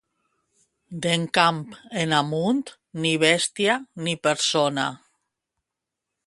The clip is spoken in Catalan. D'Encamp en amunt, ni bèstia ni persona.